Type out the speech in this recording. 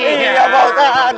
iya bawah ustadz